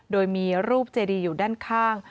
โดยมีรูปเจดีอยู่ด้านข้าง